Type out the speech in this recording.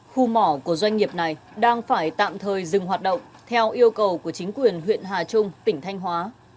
khu mỏ của doanh nghiệp này đang phải tạm thời dừng hoạt động theo yêu cầu của chính quyền huyện hà trung tỉnh thanh hóa